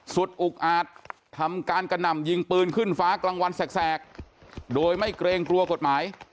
อุกอาจทำการกระหน่ำยิงปืนขึ้นฟ้ากลางวันแสกโดยไม่เกรงกลัวกฎหมาย